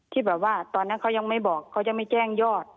ที่แบบว่าตอนนั้นเขายังไม่บอกเขาจะไม่แจ้งยอด